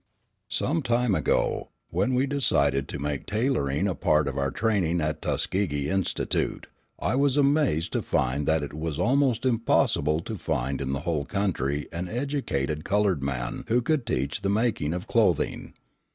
Some time ago, when we decided to make tailoring a part of our training at the Tuskegee Institute, I was amazed to find that it was almost impossible to find in the whole country an educated coloured man who could teach the making of clothing.